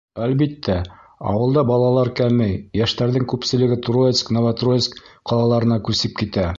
Әлбиттә, ауылда балалар кәмей, йәштәрҙең күпселеге Троицк, Новотроицк ҡалаларына күсеп китә.